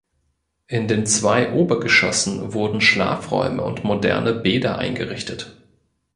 In den zwei Obergeschossen wurden Schlafräume und moderne Bäder eingerichtet.